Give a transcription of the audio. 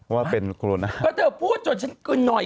ก็เป็นกลัวนะครับเมื่อเธอพูดจนฉันกื่นหน่อย